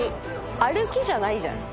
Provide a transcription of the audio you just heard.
「歩きじゃないじゃん」